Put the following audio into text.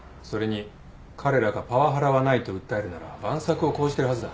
それに彼らがパワハラはないと訴えるなら万策を講じてるはずだ。